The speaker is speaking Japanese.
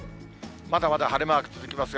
まだまだ晴れマーク続きますが、